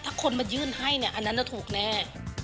ถ้าคนมายื่นให้เนี่ยอันนั้นถูกแน่